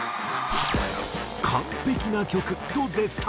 「完璧な曲！」と絶賛。